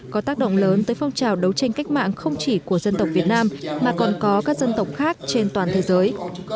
có tác động lớn tới phong trào đấu tranh cách mạng không chỉ của dân tộc việt nam mà còn có các dân tộc khác trên toàn thế giới